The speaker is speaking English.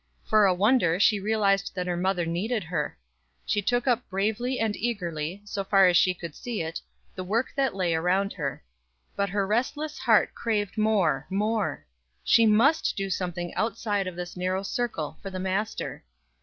For a wonder she realized that her mother needed her. She took up bravely and eagerly, so far as she could see it, the work that lay around her; but her restless heart craved more, more. She must do something outside of this narrow circle for the Master.